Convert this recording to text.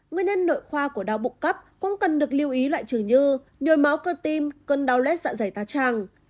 nguyên nhân nội khoa của đau bụng cắp cũng cần được lưu ý loại trừ như nhồi máu cơ tim cơn đau lết dạ dày tá tràng